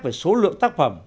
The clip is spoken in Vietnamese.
về số lượng tác phẩm